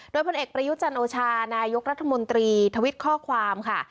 โดยพลเอกประยุจันโอชานายกรัฐมนตรีทวิตข้อความค่ะ